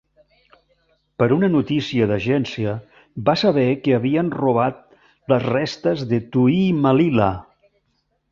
Per una notícia d'agència va saber que havien robat les restes de Tu'i Malila.